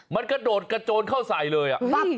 มันกระโดดกระโจนเข้าใส่เลย